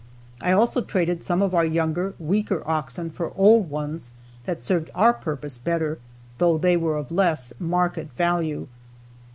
I also traded some of our younger, weaker oxen for old ones that served our purpose better, though they were of less market value.